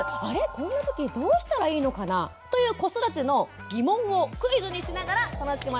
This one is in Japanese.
こんな時どうしたらいいのかな？」という子育ての疑問をクイズにしながら楽しく学んでいきたいと思います。